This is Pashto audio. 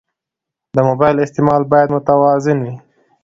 د موبایل استعمال باید متوازن وي.